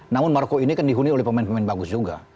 namun marocco ini dihuni oleh pemain pemain bagus juga